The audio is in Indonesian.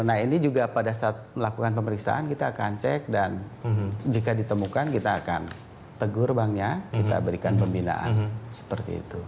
nah ini juga pada saat melakukan pemeriksaan kita akan cek dan jika ditemukan kita akan tegur banknya kita berikan pembinaan seperti itu